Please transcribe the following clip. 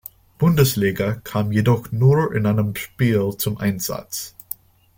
Bundesliga, kam jedoch nur in einem Spiel zum Einsatz.